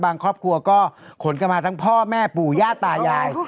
บางครอบครัวก็ขนกะมาทั้งพ่อแม่ปู่ญาติตายาย